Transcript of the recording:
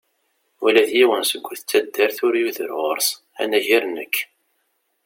Ula d yiwen seg at taddart ur yuder ɣur-s, anagar nekk.